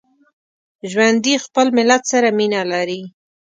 ژوندي خپل ملت سره مینه لري